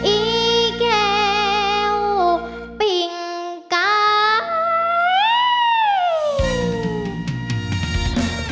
อีแก้วปิ่งกาย